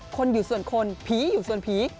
คนอยู่ส่วนคนผีอยู่ส่วนผี